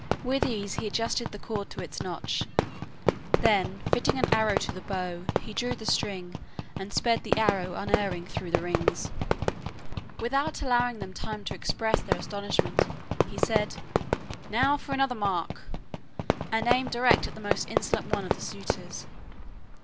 With ease he adjusted the cord to its notch, then fitting an arrow to the bow he drew the string and sped the arrow unerring through the rings. Without allowing them time to express their astonishment, he said, "Now for another mark!" and aimed direct at the most insolent one of the suitors.